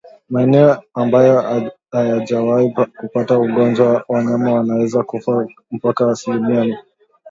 Maeneo ambayo ayajawahi kupata ugonjwa wanyama wanaweza kufa mpaka asilimia mia